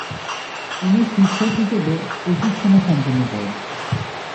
তিনি শিক্ষক হিসেবে প্রশিক্ষণও সম্পন্ন করেন।